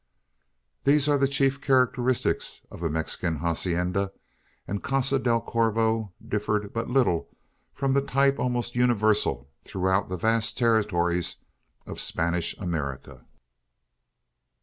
These are the chief characteristics of a Mexican hacienda; and Casa del Corvo differed but little from the type almost universal throughout the vast territories of Spanish America.